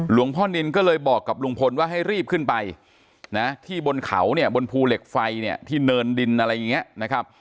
คุณพ่อนินก็เลยบอกกับลุงพลว่าให้รีบขึ้นไปนะที่บนเขาเนี่ยบนภูเหล็กไฟเนี่ยที่เนินดินอะไรอย่างนี้นะครับ